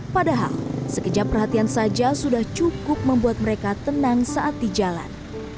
padahal sekejap perhatian saja sudah cukup membuat mereka tenang saat di jalan